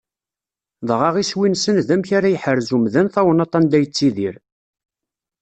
Dɣa iswi-nsen d amek ara yeḥrez umdan tawennaḍt anda yettidir.